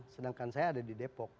sedangkan saya ada di depok